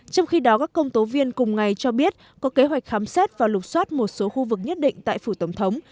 trong khi đó các công tố viên cùng ngày cho biết có kế hoạch khám xét và lục xoát một số khu vực nhất đảng